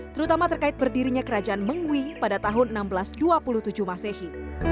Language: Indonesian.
terutama terkait berdirinya kerajaan mengwi pada tahun seribu enam ratus dua puluh tujuh masehi